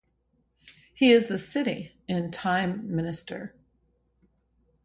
He is the city in Time Minister.